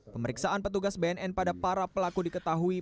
pemeriksaan petugas bnn pada para pelaku diketahui